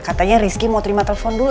katanya rizky mau terima telepon dulu